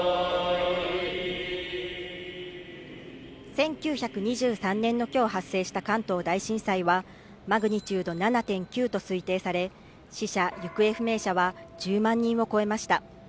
１９２３年の今日発生した関東大震災はマグニチュード７．９と推定され死者・行方不明者は１０万人を超えました